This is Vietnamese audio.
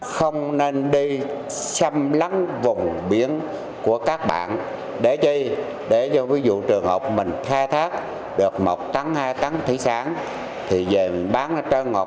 không nên đây chăm lắng vùng biển